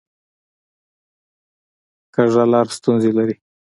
کوږه لار ستونزې لري